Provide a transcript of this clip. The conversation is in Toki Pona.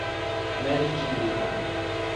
meli kin li pona.